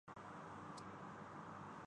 بال tampering کیساے پی یو کا سزا میں کمی کامطالبہ